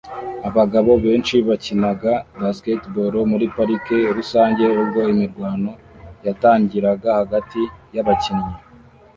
Abagabo benshi bakinaga basketball muri parike rusange ubwo imirwano yatangiraga hagati yabakinnyi